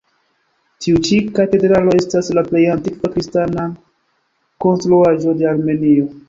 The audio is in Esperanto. Tiu ĉi katedralo estas la plej antikva kristana konstruaĵo de Armenio.